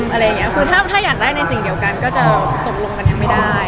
อะไรอย่างเงี้ยคือถ้าถ้าอยากได้ในสิ่งเดียวกันก็จะตกลงกันยังไม่ได้